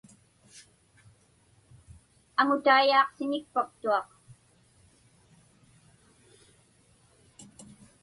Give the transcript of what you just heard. Aŋutaiyaaaq siñikpaktuaq.